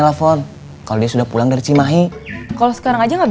sampai jumpa di video selanjutnya